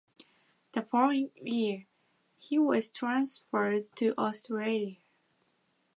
The following year, he was transferred to Australia.